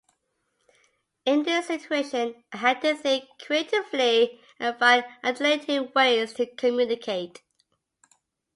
In this situation, I had to think creatively and find alternative ways to communicate.